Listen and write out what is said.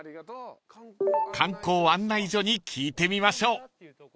［観光案内所に聞いてみましょう］